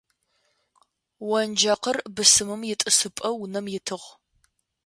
Онджэкъыр бысымым итӏысыпӏэ унэм итыгъ.